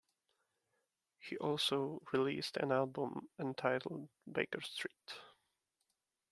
He also released an album entitled "Baker Street".